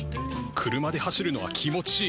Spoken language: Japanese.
車で走るのは気持ちいい。